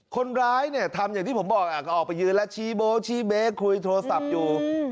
คนร้ายเนี่ยทำอย่างที่ผมบอกก็ออกไปยืนแล้วชี้โบ๊ชี้เบ๊กคุยโทรศัพท์อยู่